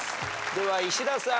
では石田さん。